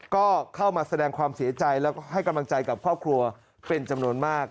ก็เข้ามาแสดงความเสียใจแล้วก็ให้กำลังใจกับครอบครัวเป็นจำนวนมาก